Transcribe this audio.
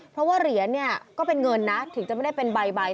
เพราะว่าเหรียญเนี่ยก็เป็นเงินนะถึงจะไม่ได้เป็นใบ